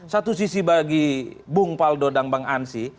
satu sisi bagi bung paldo dan bang ansi